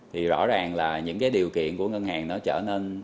thì rõ ràng là những cái điều kiện của ngân hàng nó trở nên